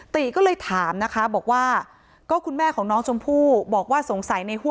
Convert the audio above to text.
ติก็เลยถามนะคะบอกว่า